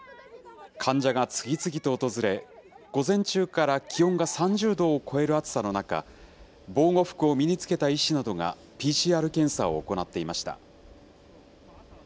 患者が次々と訪れ、午前中から気温が３０度を超える暑さの中、防護服を身につけた医師などが、ＰＣＲ検査を行っていました。